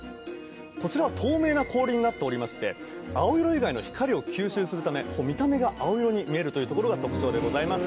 こちらは透明な氷になっておりまして青色以外の光を吸収するため見た目が青色に見えるというところが特徴でございます